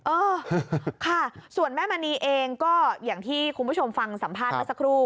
เออค่ะส่วนแม่มณีเองก็อย่างที่คุณผู้ชมฟังสัมภาษณ์เมื่อสักครู่